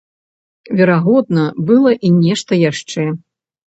Верагодна, была і нешта яшчэ.